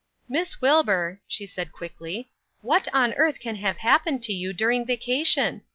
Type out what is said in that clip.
"Miss Wilbur," she said, quickly, "what on earth can have happened to you during vacation?